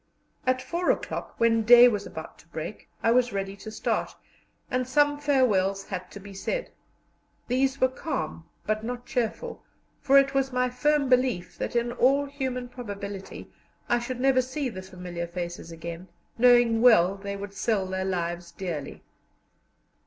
At four o'clock, when day was about to break, I was ready to start, and some farewells had to be said. These were calm, but not cheerful, for it was my firm belief that, in all human probability, I should never see the familiar faces again, knowing well they would sell their lives dearly.